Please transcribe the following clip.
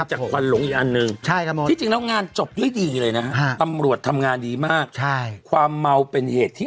ครับสุดท้ายครับอีกอันหนึ่งใช่ครับผมจริงแล้วงานจบดีเลยนะฮะอำรวจทำงานดีมากใช่ความเมาะเป็นเหตุที่